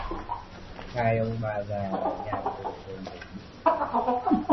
Hai ông bà già ở nhà ngồi chồm hổm